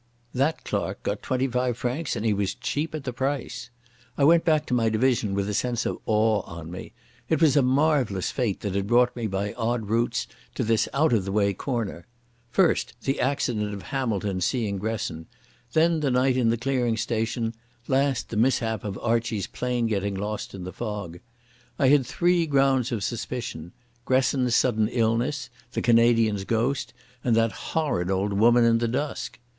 That clerk got twenty five francs, and he was cheap at the price. I went back to my division with a sense of awe on me. It was a marvellous fate that had brought me by odd routes to this out of the way corner. First, the accident of Hamilton's seeing Gresson; then the night in the Clearing Station; last the mishap of Archie's plane getting lost in the fog. I had three grounds of suspicion—Gresson's sudden illness, the Canadian's ghost, and that horrid old woman in the dusk.